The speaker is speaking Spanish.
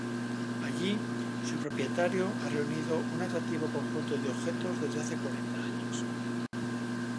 Allí, su propietario ha reunido un atractivo conjunto de objetos desde hace cuarenta años.